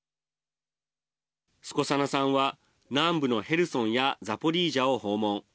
スコサナさんは、南部のヘルソンやザポリージャを訪問。